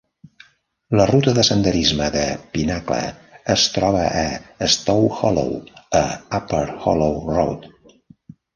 La ruta de senderisme de Pinnacle es troba a Stowe Hollow, a Upper Hollow Road.